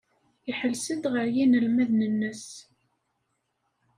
Iḥelles-d ɣer yinelmaden-nnes.